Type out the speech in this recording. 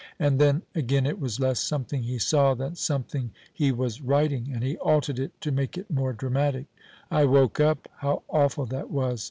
And then again it was less something he saw than something he was writing, and he altered it to make it more dramatic. "I woke up." How awful that was!